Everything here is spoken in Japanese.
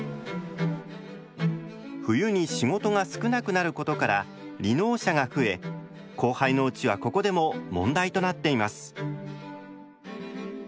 冬に仕事が少なくなることから離農者が増え荒廃農地はここでも問題となっています。